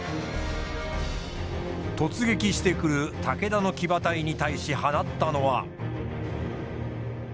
突撃してくる武田の騎馬隊に対し放ったのは。